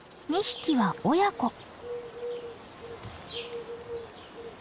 ２匹は親子。